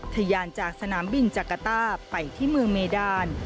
ทยานจากสนามบินจักรต้าไปที่เมืองเมดาน